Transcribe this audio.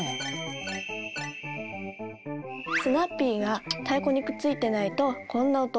スナッピーが太鼓にくっついてないとこんな音。